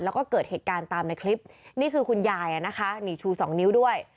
แล้วก็เกิดเหตุการณ์ตามในคลิปนี่คือคุณยายนะคะนี่ชูสองนิ้วด้วย